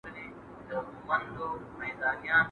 ¬ پلار پرکور نسته، د موره حيا نه کېږي.